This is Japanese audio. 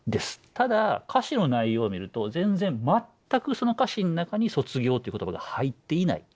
ただ歌詞の内容を見ると全然全くその歌詞の中に「卒業」って言葉が入っていない。